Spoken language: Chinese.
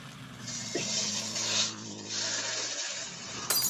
全缘叶银柴为大戟科银柴属下的一个种。